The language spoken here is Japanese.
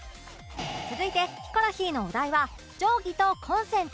続いてヒコロヒーのお題は「定規」と「コンセント」